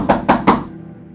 kau telah berjanji padaku